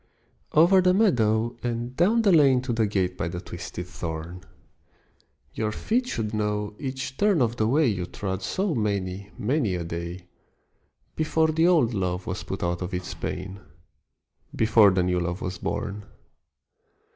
OVER the meadow and down the lane To the gate by the twisted thorn: Your feet should know each turn of the way You trod so many many a day, Before the old love was put out of its pain, Before the new love was born.